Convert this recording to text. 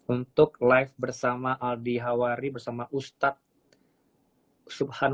untuk live bersama aldi hawari bersama ustadz subhan